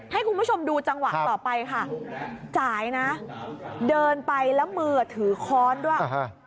ให้คุณผู้ชมดูจังหวะต่อไปค่ะจ่ายนะเดินไปแล้วมือถือค้อนด้วย